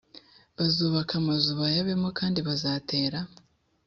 bazubaka amazu bayabemo kandi bazatera